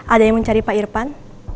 ada yang mencari pak irfan